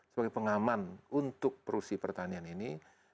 sebagai pengaman untuk produksi pertanian ini